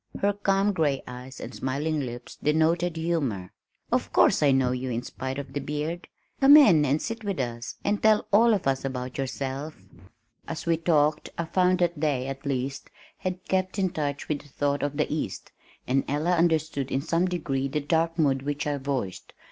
her calm gray eyes and smiling lips denoted humor. "Of course I know you in spite of the beard. Come in and sit with us and tell all of us about yourself." As we talked, I found that they, at least, had kept in touch with the thought of the east, and Ella understood in some degree the dark mood which I voiced.